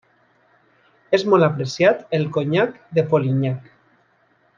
És molt apreciat el conyac de Polignac.